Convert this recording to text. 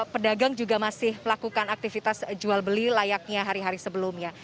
pedagang juga masih melakukan aktivitas jual beli layaknya hari hari sebelumnya